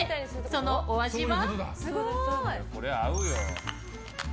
そのお味は？